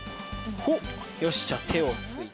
ほっよしじゃあてをついてよいしょ。